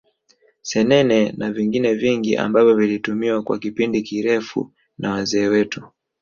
Senene na vingine vingi ambavyo vilitumiwa kwa kipindi kirefu na wazee wetu